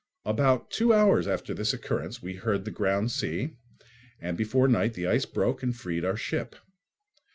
About two hours after this occurrence we heard the ground sea, and before night the ice broke and freed our ship.